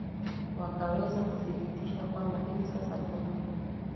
wakaweza kudhibitisha kwamba hivi sasa tuna